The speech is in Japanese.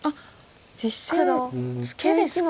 実戦ツケですか。